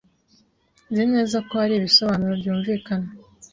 Nzi neza ko hari ibisobanuro byumvikana.